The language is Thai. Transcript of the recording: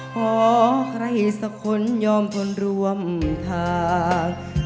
ขอใครสักคนยอมทนร่วมทาง